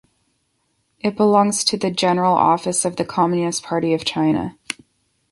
It belongs to the General Office of the Communist Party of China.